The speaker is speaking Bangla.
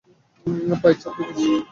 পায়ের ছাপ দেখেছি।